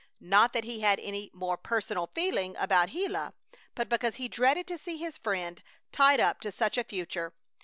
Not that he had any more personal feeling about Gila, but because he dreaded to see his friend tied up to such a future.